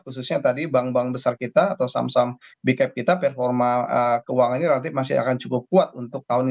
khususnya tadi bank bank besar kita atau saham saham big cap kita performa keuangan ini relatif masih akan cukup kuat untuk tahun dua ribu dua puluh